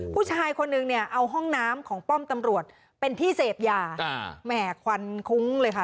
ผู้ชายคนนึงเนี่ยเอาห้องน้ำของป้อมตำรวจเป็นที่เสพยาแหม่ควันคุ้งเลยค่ะ